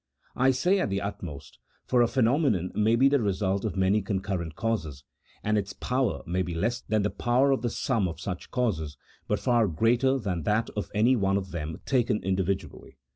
I say at the utmost, for a phenomenon may be the result of many concurrent causes, and its power may be less than the power of the sum of such causes, but far greater than that of any one of them taken individually.